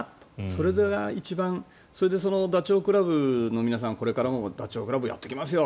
それが一番それでダチョウ倶楽部の皆さんはこれからもダチョウ倶楽部をやっていきますよ